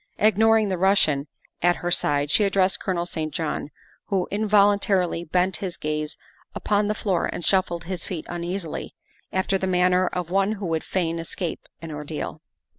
Ignoring the Russian at her side, she addressed Colonel St. John, who involun tarily bent his gaze upon the floor and shuffled his feet uneasily, after the manner of one who would fain escape an ordeal.